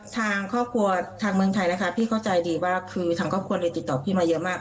ทางครอบครัวทางเมืองไทยนะคะพี่เข้าใจดีว่าคือทางครอบครัวเลยติดต่อพี่มาเยอะมาก